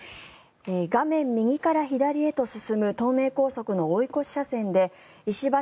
画面右から左へと進む東名高速道路の追い越し車線で石橋